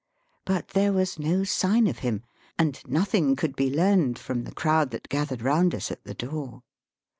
But there was no sign of him, and nothing could be learned from the crowd that gathered round us at the door.